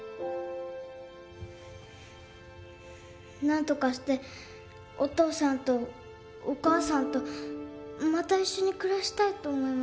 なんとかしてお父さんとお母さんとまた一緒に暮らしたいと思いました。